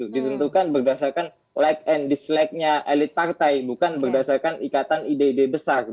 ditentukan berdasarkan like and dislike nya elit partai bukan berdasarkan ikatan ide ide besar